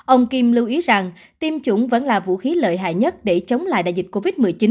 ông kim lưu ý rằng tiêm chủng vẫn là vũ khí lợi hại nhất để chống lại đại dịch covid một mươi chín